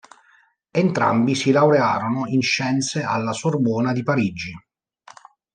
Entrambi si laurearono in Scienze alla Sorbona di Parigi.